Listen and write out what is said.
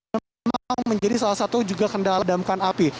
memang menjadi salah satu juga kendala damkan api